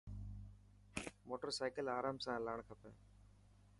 موٽر سائڪل آرام سان هلاڻ کپي.